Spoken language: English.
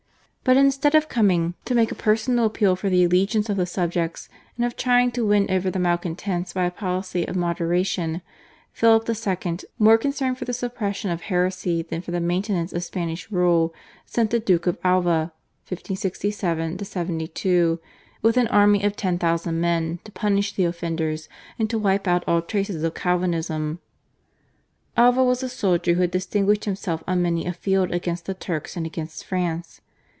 But instead of coming to make a personal appeal for the allegiance of his subjects and of trying to win over the malcontents by a policy of moderation Philip II., more concerned for the suppression of heresy than for the maintenance of Spanish rule, sent the Duke of Alva (1567 72) with an army of ten thousand men to punish the offenders and to wipe out all traces of Calvinism. Alva was a soldier who had distinguished himself on many a field against the Turks and against France.